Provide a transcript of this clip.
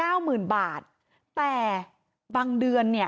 และมีการเก็บเงินรายเดือนจริง